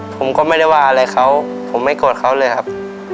ผมก็ไม่ได้ว่าอะไรเขาผมไม่โกรธเขาเลยครับ